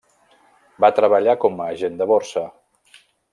Va treballar com a agent de borsa.